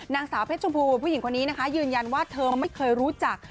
นางสาวเพชรชมพูผู้หญิงคนนี้นะคะยืนยันว่าเธอไม่เคยรู้จัก